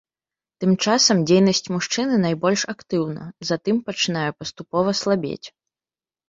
Тым часам дзейнасць мужчыны найбольш актыўна, затым пачынае паступова слабець.